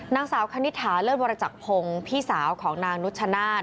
นางสาวคณิตถาเลิศวรจักรพงศ์พี่สาวของนางนุชชนาธิ